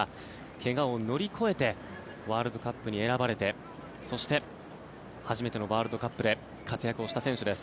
怪我を乗り越えてワールドカップに選ばれてそして初めてのワールドカップで活躍した選手です。